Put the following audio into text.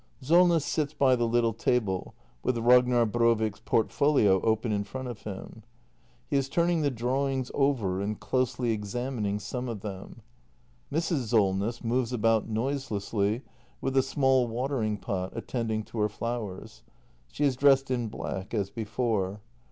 Solness sits by the little table with Ragnar Brovik's portfolio open in front of him. He is turning the drawings over and closely examining some of them. Mrs. Solness moves about noiselessly with a small watering pot, attending to her flowers. She is dressed in black as before.